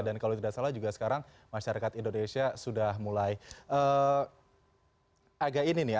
dan kalau tidak salah juga sekarang masyarakat indonesia sudah mulai agak ini nih